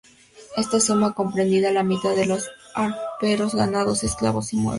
Esta suma comprendía la mitad de los aperos, ganados, esclavos y muebles.